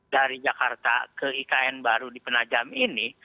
dari jakarta ke ikn baru di penajam ini